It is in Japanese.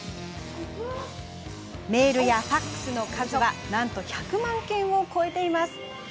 メールやファックスの数はなんと１００万件を超えています。